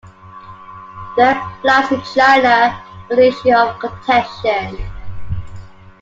Direct flights to China were an issue of contention.